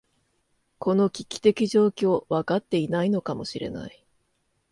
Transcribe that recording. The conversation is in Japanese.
この危機的状況、分かっていないのかもしれない。